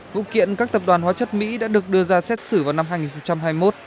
vụ kiện các tập đoàn hóa chất mỹ đã được đưa ra xét xử vào năm hai nghìn hai mươi một